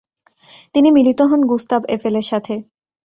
তিনি মিলিত হন গুস্তাভ এফেলের সাথে।